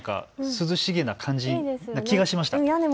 涼しげな感じな気がしました。